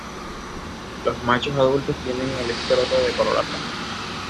Los machos adultos tienen el escroto de color azul.